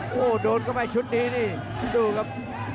โอ้โหโดนเข้าไปชุดนี้นี่ดูครับ